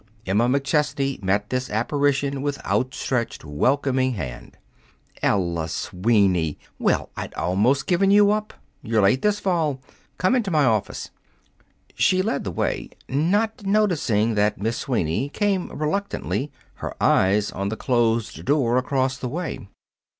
Emma McChesney met this apparition with outstretched, welcoming hand. "Ella Sweeney! Well, I'd almost given you up. You're late this fall. Come into my office." She led the way, not noticing that Miss Sweeney came reluctantly, her eyes on the closed door across the way.